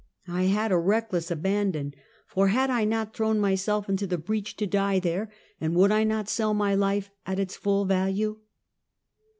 I had a reck less abandon, for liad I not thrown myself into the breach to die there, and would I not sell my life at its full value?